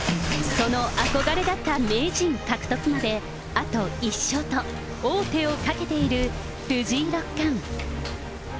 その憧れだった名人獲得まであと１勝と、王手をかけている藤井六冠。